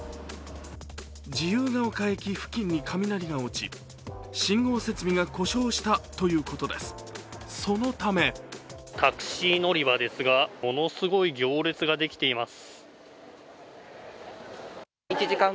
自由が丘駅付近に雷が落ち、信号設備が故障したということです、そのためタクシー乗り場ですがものすごい行列ができています。